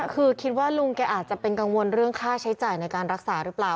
คือคิดว่าลุงแกอาจจะเป็นกังวลเรื่องค่าใช้จ่ายในการรักษาหรือเปล่า